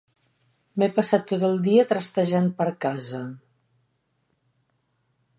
M'he passat tot el dia trastejant per casa.